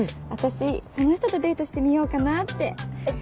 私その人とデートしてみようかなって。